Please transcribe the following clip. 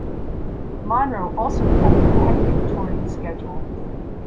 Monroe also kept a hectic touring schedule.